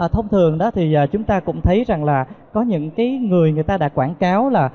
thông thường đó thì chúng ta cũng thấy rằng là có những người người ta đã quảng cáo là